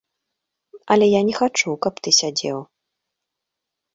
Але я не хачу, каб ты сядзеў.